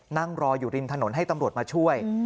นั่งรออยู่ริมถนนให้ตำรวจมาช่วย